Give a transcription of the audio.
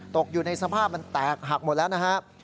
ตกอยู่ในสภาพมันแตกหักหมดแล้วนะครับ